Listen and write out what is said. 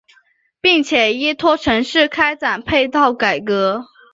并且依托城市开展配套改革。